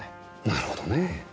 なるほどねぇ。